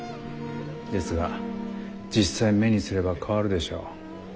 ですが実際目にすれば変わるでしょう。